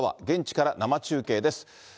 現地から生中継です。